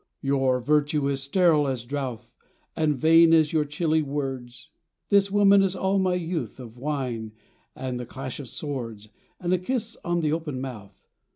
Your virtue is sterile as drouth And vain as your chilly words : This woman is all my youth Of wine, and the clash of swords, And a kiss on the open mouth.